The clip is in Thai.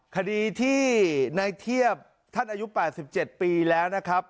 คดีที่ในเทียบท่านอายุ๘๗ปีแล้วนะครับ